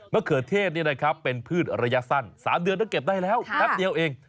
เขือเทศเป็นพืชระยะสั้น๓เดือนก็เก็บได้แล้วแป๊บเดียวเอง